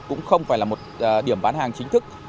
cũng không phải là một điểm bán hàng chính thức